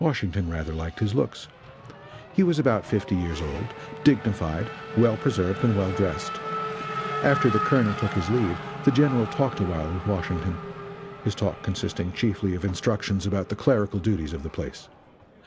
Washington rather liked his looks. He was about fifty years old, dignified, well preserved and well dressed. After the Colonel took his leave, the General talked a while with Washington his talk consisting chiefly of instructions about the clerical duties of the place.